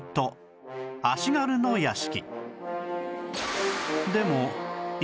足軽の屋敷